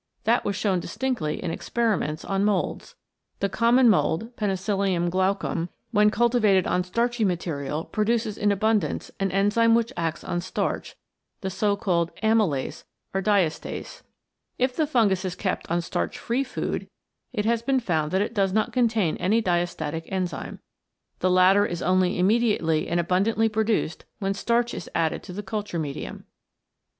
That was shown distinctly in experiments on moulds. 'The common mould, Penicillium glaucum, when cultivated on starchy material produces in abundance an enzyme which acts on starch, the so called Amylase or Diastase. But if the fungus is kept on starch free food, it has been found that it does not contain any diastatic enzyme. The latter is only immediately and abundantly pro duced when starch is added to the culture medium.